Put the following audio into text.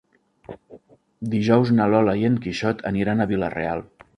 Dijous na Lola i en Quixot aniran a Vila-real.